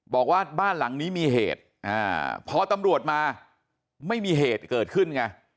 บอกว่าบ้านหลังนี้มีเหตุพอตำรวจมาไม่มีเหตุเกิดขึ้นไง